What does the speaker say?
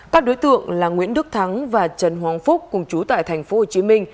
các đối tượng là nguyễn đức thắng và trần hoàng phúc cùng chú tại tp hcm